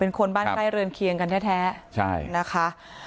เป็นคนบ้านใกล้เรือนเคียงกันแท้แท้ใช่นะคะ